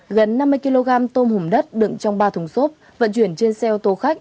gần năm mươi kg tôm hùm đất đựng trong ba thùng xốp vận chuyển trên xe ô tô khách